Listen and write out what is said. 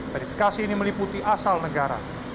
verifikasi ini meliputi asal negara